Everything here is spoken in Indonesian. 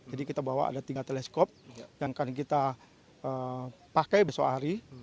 kita bawa ada tiga teleskop yang akan kita pakai besok hari